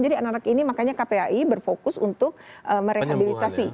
jadi anak anak ini makanya kpai berfokus untuk merehabilitasi